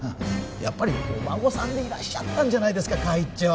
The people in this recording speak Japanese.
やっぱりお孫さんでいらっしゃったんじゃないですか会長